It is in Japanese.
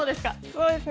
そうですね。